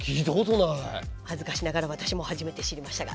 恥ずかしながら私も初めて知りましたが。